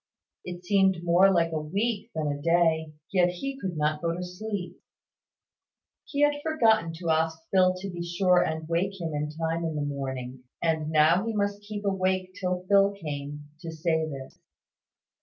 It seemed more like a week than a day. Yet he could not go to sleep. He had forgotten to ask Phil to be sure and wake him in time in the morning: and now he must keep awake till Phil came, to say this.